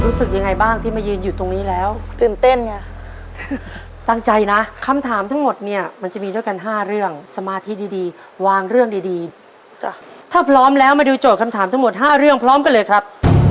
รู้สึกยังไงบ้างที่มายืนอยู่ตรงนี้แล้วตื่นเต้นไงตั้งใจนะคำถามทั้งหมดเนี่ยมันจะมีด้วยกัน๕เรื่องสมาธิดีดีวางเรื่องดีดีถ้าพร้อมแล้วมาดูโจทย์คำถามทั้งหมด๕เรื่องพร้อมกันเลยครับ